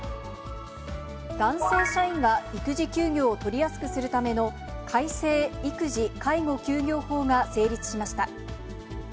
男性社員が育児休業を取りやすくするための改正育児・介護休業法が成立しました。